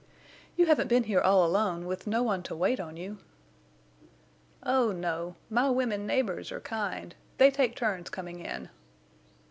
"You haven't been here all alone—with no one to wait on you?" "Oh no! My women neighbors are kind. They take turns coming in."